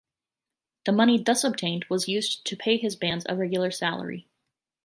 The money thus obtained was used to pay his bands a regular salary.